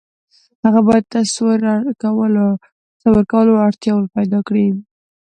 هغه بايد د تصور کولو وړتيا پيدا کړي.